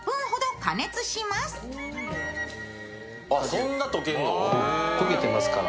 そんな溶けるの？